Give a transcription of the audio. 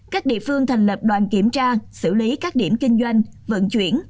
các địa phương thành lập đoàn kiểm tra xử lý các điểm kinh doanh vận chuyển